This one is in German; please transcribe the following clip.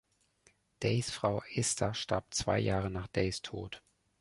Days Frau Esther starb zwei Jahre nach Days Tod.